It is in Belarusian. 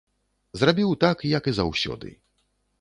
Зрабіў так, як і заўсёды.